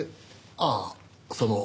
ああその。